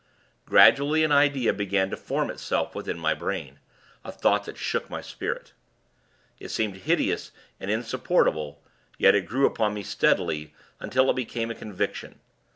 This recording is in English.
Gradually, an idea began to form itself within my brain; a thought that shook my spirit. It seemed hideous and insupportable; yet it grew upon me, steadily, until it became a conviction.